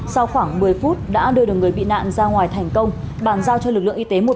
sau khoảng một mươi phút đã đưa được người bị nạn ra ngoài thành công bàn giao cho lực lượng y tế một